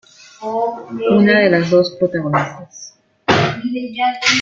Una de las dos protagonistas.